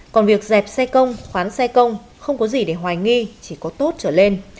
còn việc dẹp xe công khoán xe công không có gì để hoài nghi chỉ có tốt trở lên